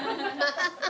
ハハハ！